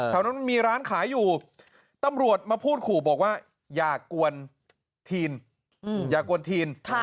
มันมีร้านขายอยู่ตำรวจมาพูดขู่บอกว่าอย่ากวนทีนอย่ากวนทีน